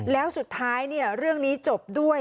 แล้วสุดท้ายเรื่องนี้จบด้วย